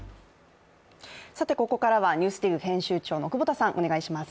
ここからはＮＥＷＳＤＩＧ編集長の久保田さんお願いします。